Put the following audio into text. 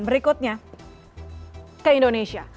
berikutnya ke indonesia